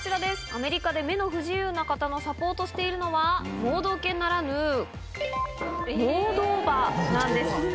アメリカで目の不自由な方のサポートしているのは、盲導犬ならぬ、盲導馬なんです。